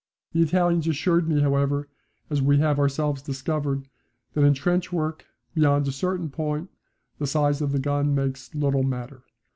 The Italians assure me, however, as we have ourselves discovered, that in trench work beyond a certain point the size of the gun makes little matter.